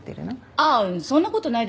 ああそんな事ないです。